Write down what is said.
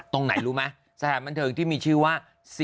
ตรงไหนรู้ไหมสถานบันเทิงที่มีชื่อว่า